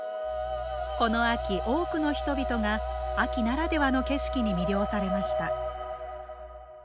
この秋、多くの人々が秋ならではの景色に魅了されました。